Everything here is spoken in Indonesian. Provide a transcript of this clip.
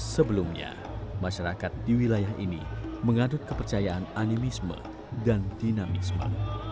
sebelumnya masyarakat di wilayah ini mengadut kepercayaan animisme dan dinamisme